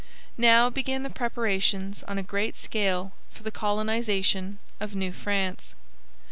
Now began the preparations on a great scale for the colonization of New France.